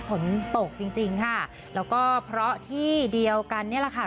ฝนตกจริงจริงค่ะแล้วก็เพราะที่เดียวกันนี่แหละค่ะ